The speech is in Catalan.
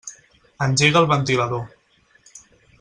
Engega el ventilador.